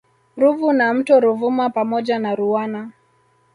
Ruvu na mto Ruvuma pamoja na Ruwana